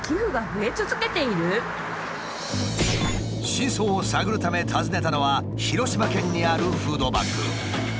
真相を探るため訪ねたのは広島県にあるフードバンク。